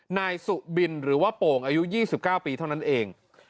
นายสุบินหรือว่าโป่งอายุ๒๙ปีเท่านั้นเอง